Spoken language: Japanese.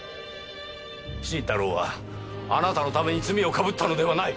新太郎はあなたのために罪をかぶったのではない！